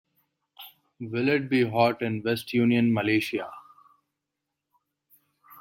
Will it be hot in West Union, Malaysia